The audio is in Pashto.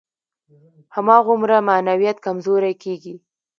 هماغومره معنویت کمزوری کېږي.